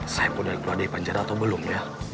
saya pun udah keluar dari panjara atau belum ya